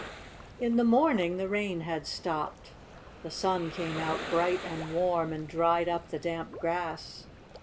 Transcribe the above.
In the morning the rain had stopped. The sun came out bright and warm and dried up the damp grass.